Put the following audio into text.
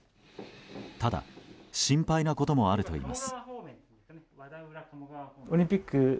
ただ、心配なこともあるといいます。